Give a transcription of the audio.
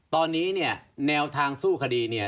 ตอนนี้เนี่ยแนวทางสู้คดีเนี่ย